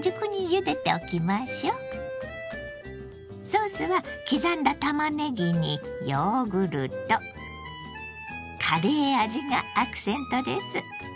ソースは刻んだたまねぎにヨーグルトカレー味がアクセントです。